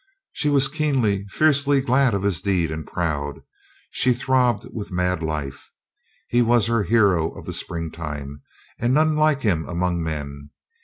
She was keenly, fiercely glad of his deed and proud. She throbbed with mad life. He was her hero of the springtime, and none like him among men.